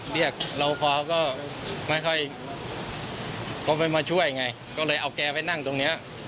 เรียกเราพอก็ไม่ค่อยมาช่วยไงก็เลยเอาแกไปนั่งตรงเนี้ย